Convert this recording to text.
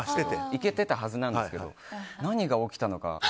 いけてたはずなんですけど何が起きたのか。